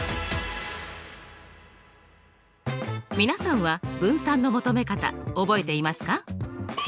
皆さんは分散の求め方覚えていますか？